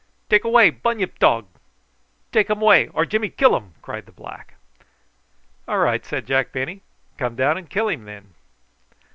"Take away bunyip dog; take um way or Jimmy killum," cried the black. "All right!" said Jack Penny; "come down and kill him then."